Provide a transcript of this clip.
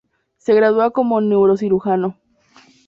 Se gradúa como Neurocirujano.